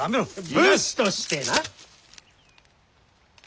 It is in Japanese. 武士として。